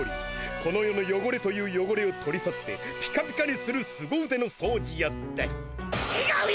この世のよごれというよごれを取り去ってピカピカにするすご腕の掃除や。ってちがうよ！